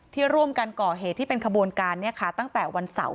ที่ร่วมกันก่อเหตุที่เป็นขบวนการตั้งแต่วันเสาร์